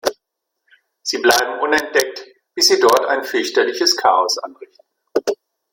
Sie bleiben unentdeckt, bis sie dort ein fürchterliches Chaos anrichten.